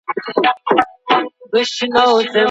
د انځورګر د سترګو کسي په څپو کې لامبي